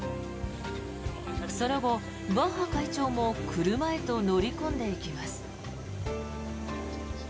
その後、バッハ会長も車へと乗りこんでいきます。